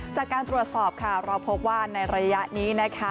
จากการตรวจสอบค่ะเราพบว่าในระยะนี้นะคะ